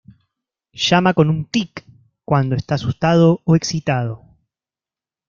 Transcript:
Llama con un "tik", cuando está asustado o excitado.